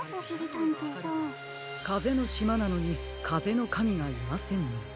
かぜのしまなのにかぜのかみがいませんね。